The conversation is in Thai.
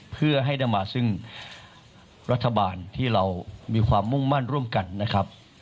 เพื่อให้ได้มาซึ่งรัฐบาลที่เรามีความมุ่งมั่นร่วมกันนะครับ